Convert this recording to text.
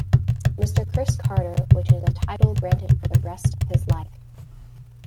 Mr Chris Carter, which is a title granted for the rest of his life.